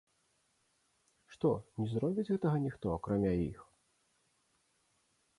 Што не зробіць гэтага ніхто, акрамя іх?